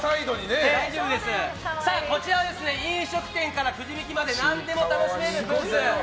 こちら飲食店からくじ引きまで何でも楽しめるブース。